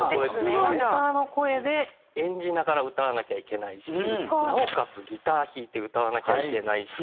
キャラクターの声で演じながら歌わなきゃいけないしなおかつギター弾いて歌わなきゃいけないし